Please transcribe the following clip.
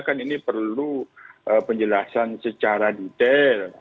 kan ini perlu penjelasan secara detail